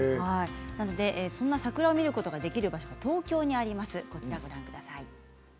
そんな桜を見ることができる場所が東京にあります。